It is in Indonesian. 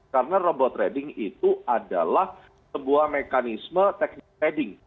karena robot trading itu adalah sebuah mekanisme teknik trading